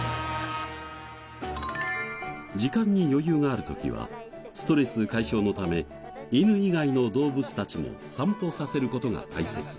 時間に余裕がある時はストレス解消のため犬以外の動物たちも散歩させる事が大切。